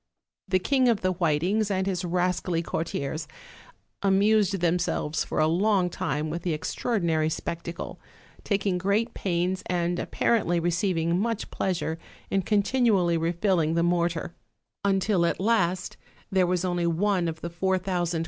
The King of the Whitings and his rascally cour tiers amused themselves for a long time with the extraor dinary spectacle; taking great pains, and apparently receiving much pleasure, in continually refilling the mor tar, until at last there was only one of the four thousand 312 OLD, OLD FAIRY TALES.